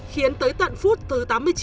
khiến tới tận phút thứ tám mươi chín